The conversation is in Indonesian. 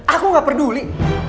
aku gak peduli